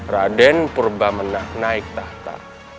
raden purba menaik tahta